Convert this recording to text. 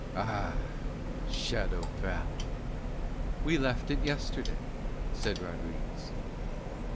"Ah, Shadow Valley!" "We left it yesterday," said Rodriguez.